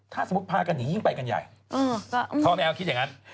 ถ้าสมมุติพากันหนียิ่งไปกันใหญ่พ่อแมวคิดอย่างนั้น